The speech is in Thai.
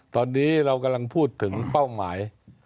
ตอนนี้เรากำลังพูดถึงเป้าหมาย